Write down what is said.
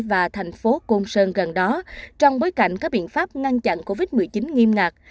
và thành phố côn sơn gần đó trong bối cảnh các biện pháp ngăn chặn covid một mươi chín nghiêm ngặt